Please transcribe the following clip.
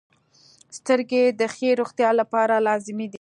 • سترګې د ښې روغتیا لپاره لازمي دي.